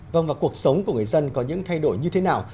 vâng và cuộc sống của người dân có những thay đổi như thế nào